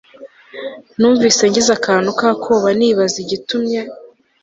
numvise ngize akantu kakoba nibaza igitumye